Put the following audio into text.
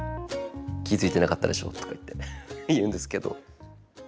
「気付いてなかったでしょ」とかいって言うんですけど。